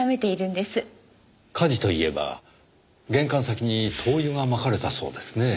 火事といえば玄関先に灯油が撒かれたそうですねぇ。